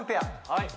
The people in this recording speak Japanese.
はい。